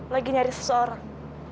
lagi nyari seseorang